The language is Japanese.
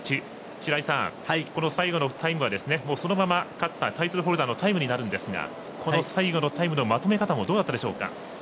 白井さん、最後のタイムはそのまま勝ったタイトルホルダーのタイムになるんですが最後のタイムのまとめ方どうだったでしょうか？